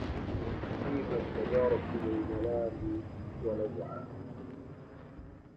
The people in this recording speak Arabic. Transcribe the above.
فيم ابتداركم الملام ولوعا